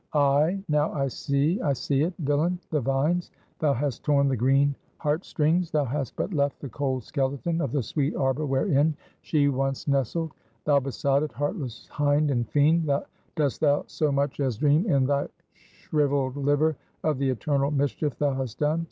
Ay, now I see, I see it: Villain! the vines! Thou hast torn the green heart strings! Thou hast but left the cold skeleton of the sweet arbor wherein she once nestled! Thou besotted, heartless hind and fiend, dost thou so much as dream in thy shriveled liver of the eternal mischief thou hast done?